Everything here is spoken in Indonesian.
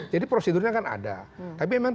jadi prosedurnya kan ada tapi memang